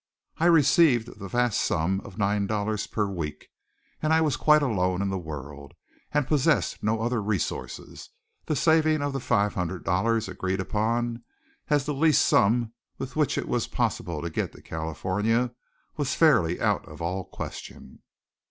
I received the vast sum of nine dollars per week. As I was quite alone in the world, and possessed no other resources, the saving of the five hundred dollars agreed upon as the least sum with which it was possible to get to California was fairly out of all question.